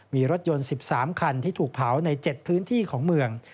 มีรถยนต์๑๓คันที่ถูกเผาใน๗พื้นที่ของเมือง